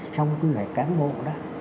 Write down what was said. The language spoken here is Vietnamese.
trong quy hoạch cán bộ đó